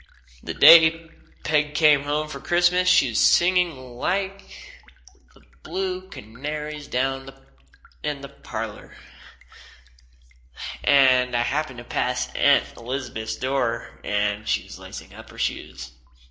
The day Peg came home for Christmas she was singing like the blue canaries down in the parlor, and I happened to pass Aunt Elizabeth's door and she was lacing up her shoes.